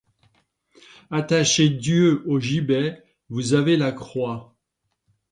Attachez Dieu au gibet, vous avez la croix.